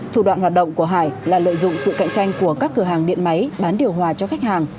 thủ đoạn hoạt động của hải là lợi dụng sự cạnh tranh của các cửa hàng điện máy bán điều hòa cho khách hàng